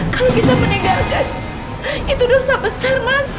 kalau kita meninggalkan itu dosa besar mas